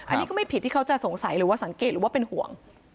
อันนี้ก็ไม่ผิดที่เขาจะสงสัยหรือว่าสังเกตหรือว่าเป็นห่วง